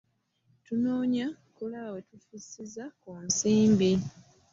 Tunoonya kulaba we tufissiza ku nsimbi.